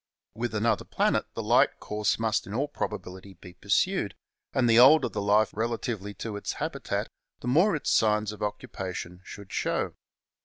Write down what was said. With another planet the like course must in all probability be pursued, and the older the life rela tively to its habitat the more its signs of occupation should show.